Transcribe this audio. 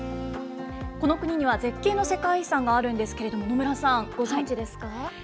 この国には絶景の世界遺産があるんですが野村さん、ご存じですか？